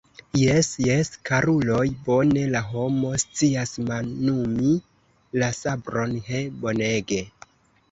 Jes, jes, karuloj, bone la homo scias manumi la sabron, he, bonege!